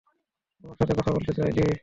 তোমার সাথে কথা বলতে চাই, লী।